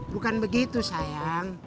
bukan begitu sayang